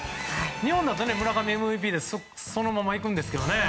日本だと村上ＭＶＰでそのままいくんですけどね。